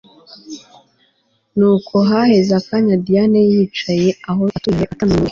Nuko haheze akanya Diane yicaye aho atuje atanumwe